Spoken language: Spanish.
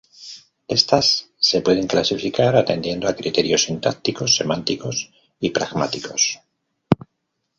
Estas se pueden clasificar atendiendo a criterios sintácticos, semánticos y pragmáticos.